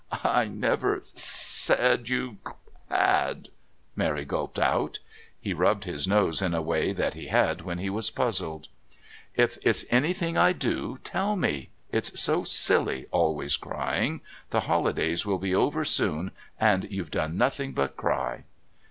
"I never said you had," Mary gulped out. He rubbed his nose in a way that he had when he was puzzled. "If it's anything I do, tell me. It's so silly always crying. The holidays will be over soon, and you've done nothing but cry."